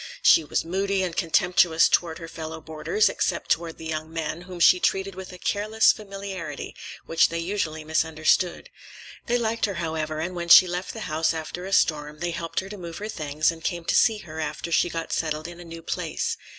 She was moody and contemptuous toward her fellow boarders, except toward the young men, whom she treated with a careless familiarity which they usually misunderstood. They liked her, however, and when she left the house after a storm, they helped her to move her things and came to see her after she got settled in a new place.